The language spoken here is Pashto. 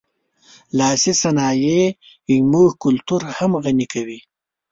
لاسي صنایع زموږ کلتور هم غني کوي.